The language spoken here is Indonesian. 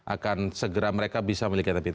akan segera mereka bisa memiliki rapid